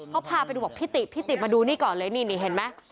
เขาพาไปดูพี่ติมาดูนี่ก่อนเลยนี่เห็นไหม